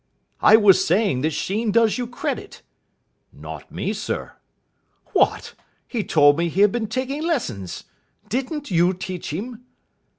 "I was saying that Sheen does you credit." "Not me, sir." "What! He told me he had been taking lessons. Didn't you teach him?"